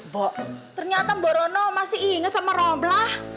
bo ternyata borono masih ingat sama roblah